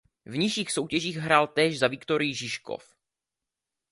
V nižších soutěžích hrál též za Viktorii Žižkov.